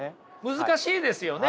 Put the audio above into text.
難しいですよね？